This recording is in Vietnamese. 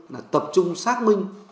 là tập trung xác minh